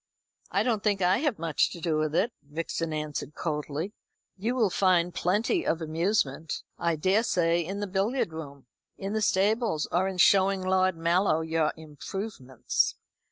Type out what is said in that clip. "I don't think I have much to do with it," Vixen answered coldly. "You will find plenty of amusement, I daresay, in the billiard room, in the stables, or in showing Lord Mallow your improvements."